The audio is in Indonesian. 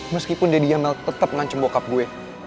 meskipun dia diamel tetep ngancam bokap gue